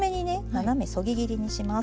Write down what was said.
斜めそぎ切りにします。